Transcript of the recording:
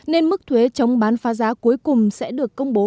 nên mức thuế chống bán phá giá cuối cùng sẽ được công bố